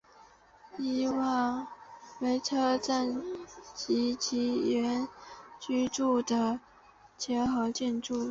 以往为车站及职员居所的结合建筑。